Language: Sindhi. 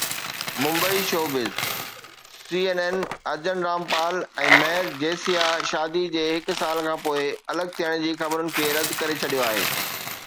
Mumbai (showbiz news) C N N Arjun Rampal ۽ Mehr Jesia شادي جي هڪ سال کانپوءِ الڳ ٿيڻ جي خبرن کي رد ڪري ڇڏيو آهي.